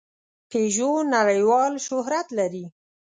پيژو نړۍوال شهرت لري.